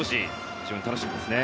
非常に楽しみですね。